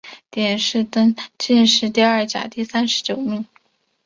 殿试登进士第二甲第三十九名。